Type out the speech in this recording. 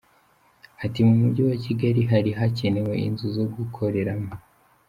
Ati “Mu Mujyi wa Kigali hari hakenewe inzu zo gukoreramo.